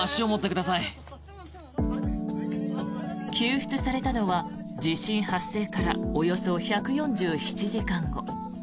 救出されたのは地震発生からおよそ１４７時間後。